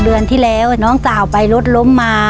เดือนที่แล้วน้องสาวไปรถล้มมา